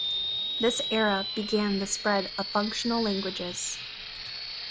This era began the spread of functional languages.